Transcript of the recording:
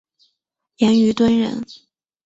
严虞敦人。